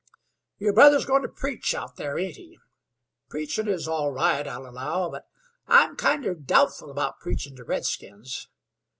"Yer brother's goin' to preach out here, ain't he? Preachin' is all right, I'll allow; but I'm kinder doubtful about preachin' to redskins.